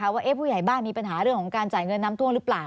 ว่าผู้ใหญ่บ้านมีปัญหาเรื่องของการจ่ายเงินน้ำท่วมหรือเปล่า